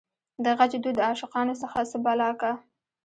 دغچ دود دعاشقانو څه بلا کا